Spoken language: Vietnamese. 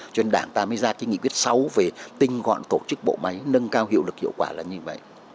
cho nên đảng ta mới ra cái nghị quyết sáu về tinh gọn tổ chức bộ máy nâng cao hiệu lực hiệu quả là như vậy